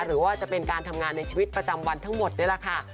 หรือว่าจะเป็นการทำงานในชีวิตประจำวันทั้งหมดนี่แหละค่ะ